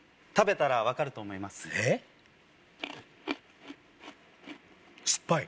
食べたら分かると思いますえっ？